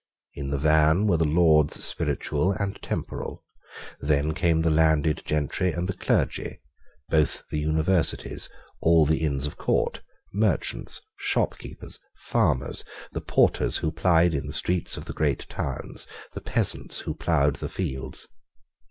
In the van were the Lords Spiritual and Temporal. Then came the landed gentry and the clergy, both the Universities, all the Inns of Court, merchants, shopkeepers, farmers, the porters who plied in the streets of the great towns, the peasants who ploughed the fields.